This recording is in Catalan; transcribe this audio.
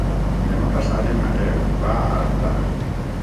Demà passat en Mateu va a Artà.